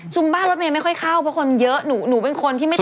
ซุมบ้ารถมันยังไม่ค่อยเข้าเพราะคนเยอะหนูเป็นคนที่ไม่เต้น